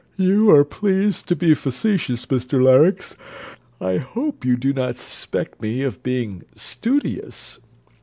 You are pleased to be facetious, Mr Larynx. I hope you do not suspect me of being studious.